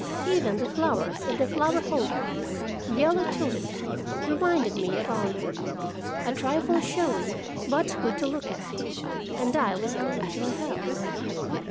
Even the flowers in the flower holder, yellow tulips, reminded me of Alma a trifle showy, but good to look at! And I was going to her house!